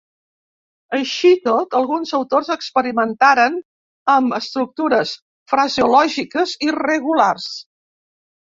Així i tot, alguns autors experimentaren amb estructures fraseològiques irregulars.